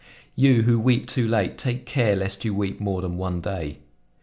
You who weep too late, take care lest you weep more than one day.